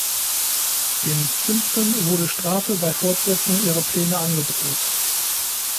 Den Zünften wurde Strafe bei Fortsetzung ihrer Pläne angedroht.